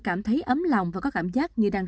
cảm thấy ấm lòng và có cảm giác như đang